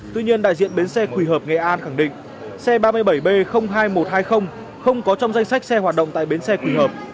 tuy nhiên đại diện bến xe quỳ hợp nghệ an khẳng định xe ba mươi bảy b hai nghìn một trăm hai mươi không có trong danh sách xe hoạt động tại bến xe quỳ hợp